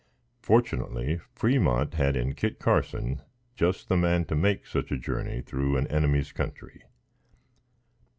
Fortunately, Fremont had in Kit Carson just the man to make such a journey through an enemy's country.